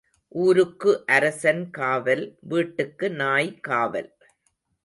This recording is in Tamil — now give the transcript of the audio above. ஊருக்கு அரசன் காவல் வீட்டுக்கு நாய் காவல்.